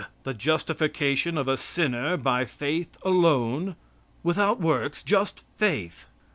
"The justification of a sinner by faith alone," without works, just faith.